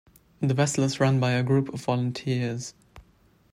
The vessel is run by a group of volunteers.